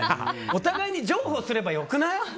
お互いに譲歩すればよくない？